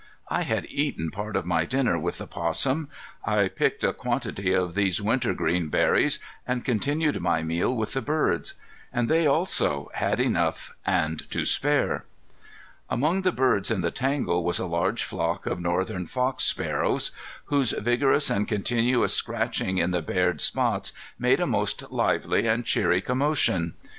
I had eaten part of my dinner with the 'possum; I picked a quantity of these wintergreen berries, and continued my meal with the birds. And they also had enough and to spare. Among the birds in the tangle was a large flock of northern fox sparrows, whose vigorous and continuous scratching in the bared spots made a most lively and cheery commotion.